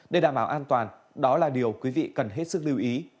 để đảm bảo an toàn đó là điều quý vị cần hết sức lưu ý